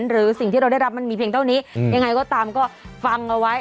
หรือสิ่งที่เราได้รับมันมีเพียงเท่านี้ยังไงก็ตามก็ฟังเอาไว้